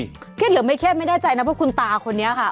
เครียดหรือไม่เครียดไม่แน่ใจนะเพราะคุณตาคนนี้ค่ะ